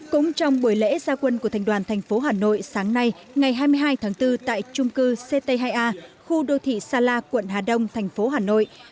cũng trong buổi lễ gia quân của thành đoàn thành phố hà nội sáng nay ngày hai mươi hai tháng bốn tại trung cư ct hai a khu đô thị sa la quận hà đông thành phố hà nội